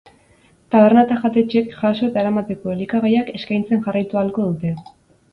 Taberna eta jatetxeek jaso eta eramateko elikagaiak eskaintzen jarraitu ahalko dute.